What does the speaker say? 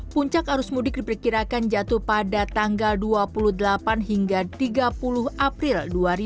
puncak arus mudik diperkirakan jatuh pada tanggal dua puluh delapan hingga tiga puluh april dua ribu dua puluh